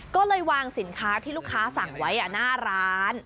ก็เลยวางสินค้าที่ลูกค้าสั่งไว้หน้าร้าน